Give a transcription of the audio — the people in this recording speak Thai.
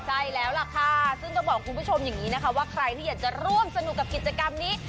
ใช่แล้วล่ะค่ะซึ่งต้องบอกคุณผู้ชมอย่างนี้นะคะว่าใครที่อยากจะร่วมสนุกกับกิจกรรมนี้